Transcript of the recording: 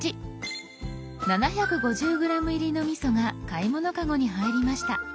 ７５０ｇ入りのみそが買い物カゴに入りました。